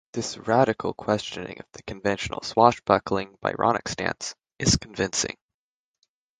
This radical questioning of the conventional swashbuckling Byronic stance is convincing.